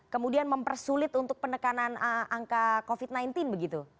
kemudian mempersulit untuk penekanan angka covid sembilan belas begitu